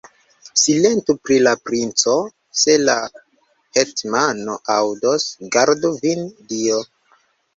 Silentu pri la princo; se la hetmano aŭdos, gardu vin Dio!